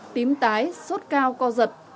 tím tái sốt cao co giật